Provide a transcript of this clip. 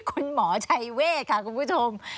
คุณหมอชัยเวทค่ะคุณผู้ชม